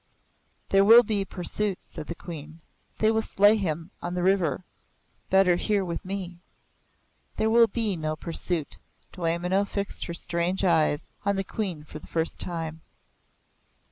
"There will be pursuit," said the Queen. "They will slay him on the river. Better here with me." "There will be no pursuit." Dwaymenau fixed her strange eyes on the Queen for the first time.